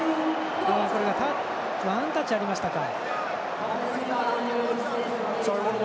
ワンタッチありましたか。